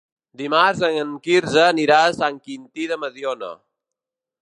Dimarts en Quirze anirà a Sant Quintí de Mediona.